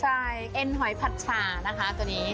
ใช่เอ็นหอยผัดสานะคะตัวนี้